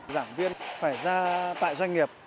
giảng viên phải ra tại doanh nghiệp